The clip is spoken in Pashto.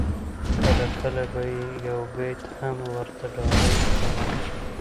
کله کله به یې یو بیت هم ورته ډالۍ کاوه.